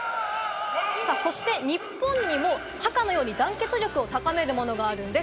そして日本にもハカのように団結力を高めるものがあるんです。